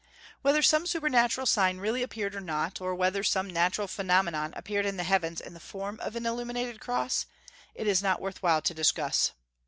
Whether some supernatural sign really appeared or not, or whether some natural phenomenon appeared in the heavens in the form of an illuminated Cross, it is not worth while to discuss.